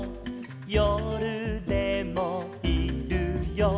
「よるでもいるよ」